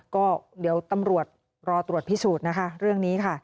ก็เดี๋ยวตำรวจรอตรวจพิสูจน์นะคะเรื่องนี้ค่ะ